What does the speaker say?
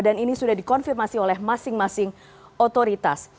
dan ini sudah dikonfirmasi oleh masing masing otoritas